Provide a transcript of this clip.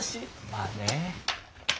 まあねぇ。